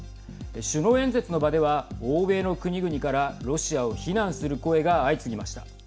首脳演説の場では欧米の国々からロシアを非難する声が相次ぎました。